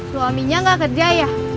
suaminya gak kerja ya